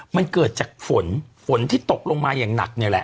มันเกิดจากฝนฝนที่ตกลงมาอย่างหนักเนี่ยแหละ